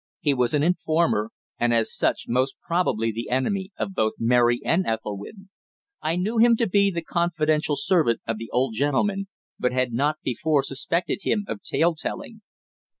He was an informer, and as such most probably the enemy of both Mary and Ethelwynn. I knew him to be the confidential servant of the old gentleman, but had not before suspected him of tale telling.